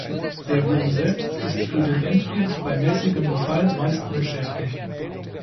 Der Wurm selbst ist für den Endwirt bei mäßigem Befall meistens unschädlich.